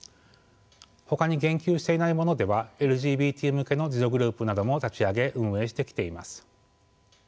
ほかに言及していないものではＬＧＢＴ向けの自助グループなども立ち上げ運営してきています。